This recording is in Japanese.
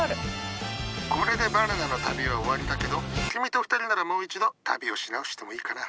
これでバナナの旅は終わりだけど君と２人ならもう一度旅をし直してもいいかな。